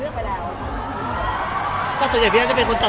พี่เอ็มเค้าเป็นระบองโรงงานหรือเปลี่ยนไงครับ